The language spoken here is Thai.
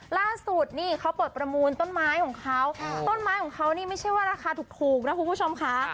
ล่าสุดนี่เขาเปิดประมูลต้นไม้ของเขาต้นไม้ของเขานี่ไม่ใช่ว่าราคาถูกนะคุณผู้ชมค่ะ